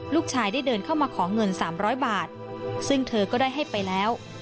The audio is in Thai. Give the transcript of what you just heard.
ลูกชายได้เดินเข้ามาขอเงิน๓๐๐บาทซึ่งเธอก็ได้ให้ไปแล้ว